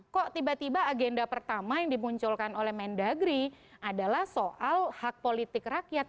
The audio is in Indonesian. kok tiba tiba agenda pertama yang dimunculkan oleh mendagri adalah soal hak politik rakyat